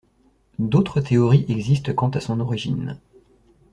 D’autres théories existent quant à son origine.